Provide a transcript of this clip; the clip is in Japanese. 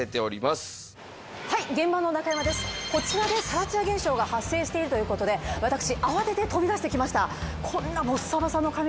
こちらでサラツヤ現象が発生しているという事で私慌てて飛び出してきました。